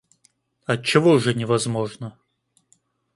Отчего же невозможно?